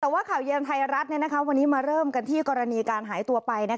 แต่ว่าข่าวเย็นไทยรัฐวันนี้มาเริ่มกันที่กรณีการหายตัวไป